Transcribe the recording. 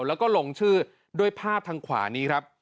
แล้วก็ลงชื่อด้วยภาพทางขวานี้ครับ